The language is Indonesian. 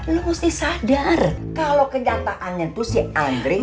lo mesti sadar kalo kenyataannya tuh si andri